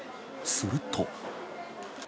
すると。